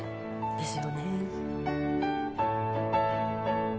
「ですよね」